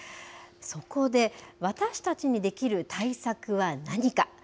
そこで私たちにできる対策は何か。